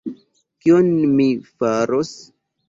Kion mi faros?